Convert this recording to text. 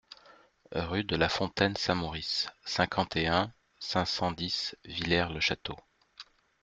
Rue de la Fontaine Saint-Maurice, cinquante et un, cinq cent dix Villers-le-Château